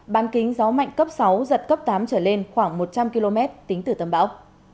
ban kính gió mạnh cấp sáu giật cấp tám trở lên khoảng một trăm linh km tính từ tâm bão